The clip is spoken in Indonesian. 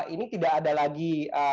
ini tidak ada lagi